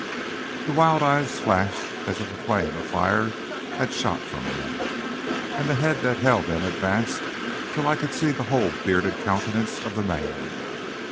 The wild eyes flashed as if a flame of fire had shot from them, and the head that held them advanced till I could see the whole bearded countenance of the man.